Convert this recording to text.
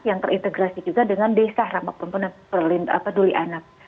yang terintegrasi juga dengan desa ramak pemunan penduli anak